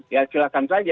ya silakan saja